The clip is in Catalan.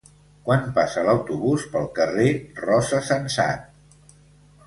Quan passa l'autobús pel carrer Rosa Sensat?